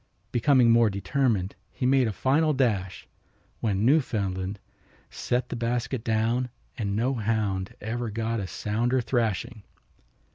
Becoming more determined he made a final dash, when Newfoundland set the basket down and no hound ever got a sounder thrashing.